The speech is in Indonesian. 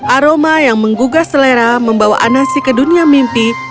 aroma yang menggugah selera membawa anasi ke dunia mimpi